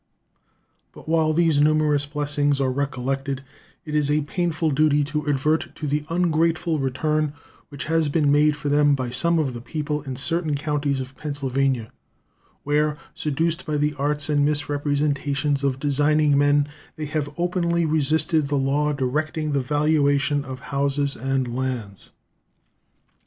But while these numerous blessings are recollected, it is a painful duty to advert to the ungrateful return which has been made for them by some of the people in certain counties of Pennsylvania, where, seduced by the arts and misrepresentations of designing men, they have openly resisted the law directing the valuation of houses and lands.